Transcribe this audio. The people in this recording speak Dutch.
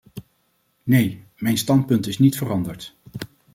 Nee, mijn standpunt is niet veranderd.